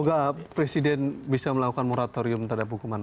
enggak presiden bisa melakukan moratorium terhadap hukuman